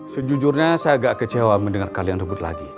sejujurnya saya agak kecewa mendengar kalian rebut lagi